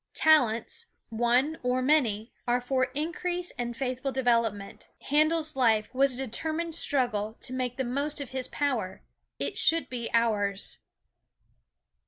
Talents, one or many, are for increase and faithful development. Handel's life was a determined struggle to make the most of his power. It should be ours.